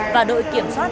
và đội kiểm soát